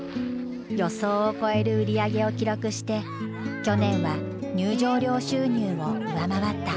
予想を超える売り上げを記録して去年は入場料収入を上回った。